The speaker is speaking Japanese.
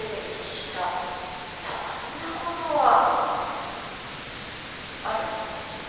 そんなことはあるの？え。